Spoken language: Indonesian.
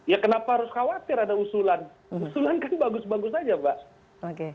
ya kenapa harus khawatir ada usulan usulan kan bagus bagus saja pak